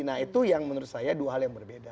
nah itu yang menurut saya dua hal yang berbeda